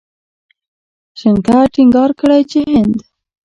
شنکر ټينګار کړی چې هند